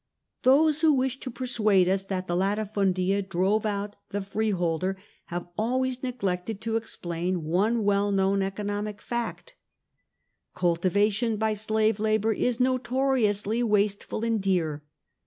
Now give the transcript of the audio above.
Those who wish to persuade us that the Utifundia drove out the freeholder have always neglected to explain one well known economic fact^ Cultivation by slave labour is notoriously wasteful and dear.